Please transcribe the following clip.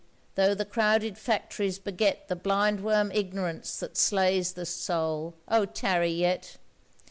though the crowded factories beget The blindworm Ignorance that slays the soul, O tarry yet!